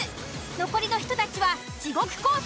残りの人たちは地獄コース